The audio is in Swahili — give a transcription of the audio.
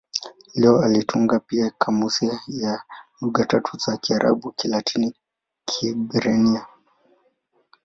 Leo alitunga pia kamusi ya lugha tatu za Kiarabu-Kilatini-Kiebrania.